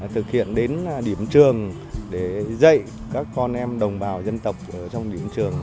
thực hiện đến điểm trường để dạy các con em đồng bào dân tộc ở trong điểm trường